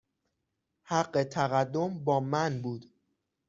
حق تقدم با من بود.